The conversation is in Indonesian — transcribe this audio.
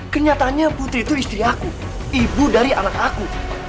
kenyataannya putri itu istri aku ibu dari anak aku